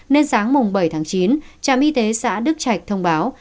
nên sáng bảy tháng chín trạm y tế xã đức trạch thông báo